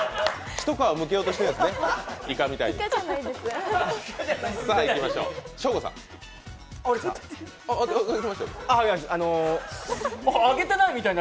一皮むけようとしてるんですね、いかみたいに。